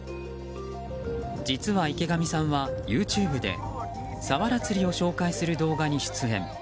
実は、池上さんはＹｏｕＴｕｂｅでサワラ釣りを紹介する動画に出演。